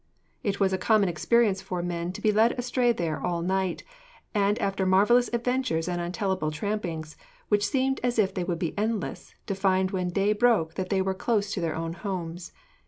It was a common experience for men to be led astray there all night, and after marvellous adventures and untellable trampings, which seemed as if they would be endless, to find when day broke that they were close to their own homes.